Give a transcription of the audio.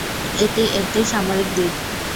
এটি একটা সামরিক দ্বীপ।